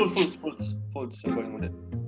fulc fulc fulc yang paling muda